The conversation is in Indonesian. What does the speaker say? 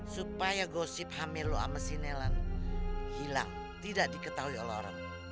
supaya gosip hamil lo sama si nelan hilang tidak diketahui oleh orang